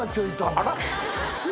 あら？